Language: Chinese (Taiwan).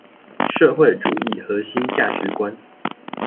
社會主義核心價值觀